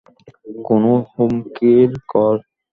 কোনো হুমকির কল?